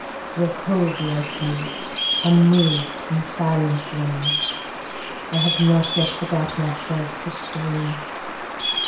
Though cold like you, unmoved and silent grown, I have not yet forgot myself to stone.